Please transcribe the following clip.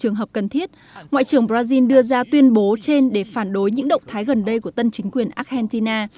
ngoại trưởng brazil đưa ra tuyên bố trên để phản đối những động thái gần đây của tân chính quyền argentina